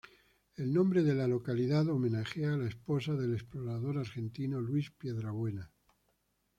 El nombre de la localidad homenajea a la esposa del explorador argentino Luis Piedrabuena.